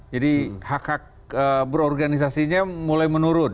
jadi hak hak berorganisasinya mulai menurun